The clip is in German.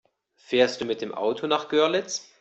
Fährst du mit dem Auto nach Görlitz?